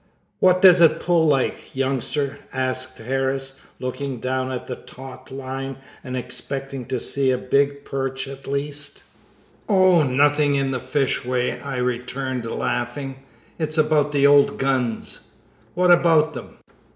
"What does it pull like, youngster?" asked Harris, looking down at the taut line and expecting to see a big perch at least. "O, nothing in the fish way," I returned, laughing; "it's about the old guns." "What about them?"